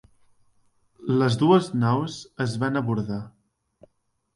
Les dues naus es van abordar.